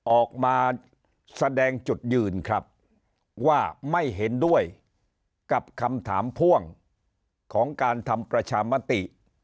ออกมาแสดงจุดยืนครับว่าไม่เห็นด้วยกับคำถามพ่วงของการทำประชามติ